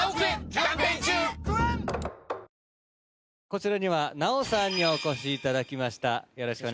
こちらには奈緒さんにお越しいただきました。